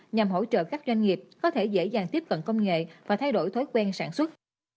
nhằm hỗ trợ các doanh nghiệp có thể dễ dàng tiếp cận công nghệ và thay đổi thói quen sản xuất